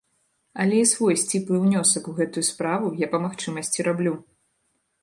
Але і свой сціплы ўнёсак у гэтую справу я па магчымасці раблю.